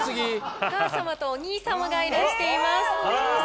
お母様とお兄様がいらしています。